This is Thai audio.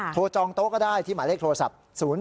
โทรจองโต๊ะก็ได้ที่หมายเลขโทรศัพท์๐๘๒๗๖๖๔๓๓๐